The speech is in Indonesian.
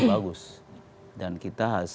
bagus dan kita harus